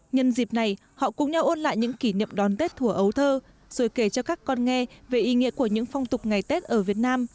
nhân dịp này họ cùng nhau ôn lại những kỷ niệm đón tết thủa ấu thơ rồi kể cho các con nghe về ý nghĩa của những phong tục ngày tết ở việt nam